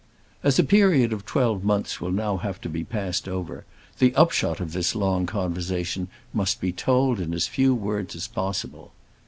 As a period of twelve months will now have to be passed over, the upshot of this long conversation must be told in as few words as possible.